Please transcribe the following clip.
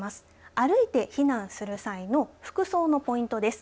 歩いて避難する際の服装のポイントです。